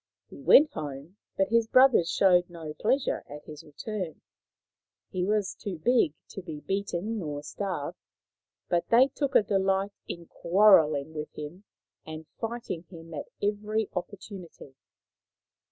He went home, but his brothers showed no pleas ure at his return. He was too big to be beaten or starved, but they took a delight in quarrelling with him and fighting him at every opportunity.